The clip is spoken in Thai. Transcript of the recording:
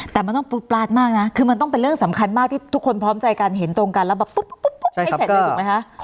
แต่มันต้องปลุกปลาดมากนะคือมันต้องเป็นเรื่องสำคัญมากที่ทุกคนพร้อมใจกันเห็นตรงกันแล้วแบบปุ๊บให้เสร็จเลยถูกไหมคะ